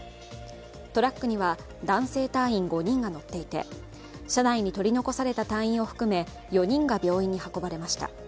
トラックには男性隊員５人が乗っていて車内に取り残された隊員を含め４人が病院に運ばれました。